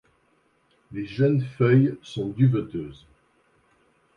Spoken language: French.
Les jeunes feuilles sont duveteuses.